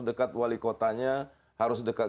dekat wali kotanya harus dekat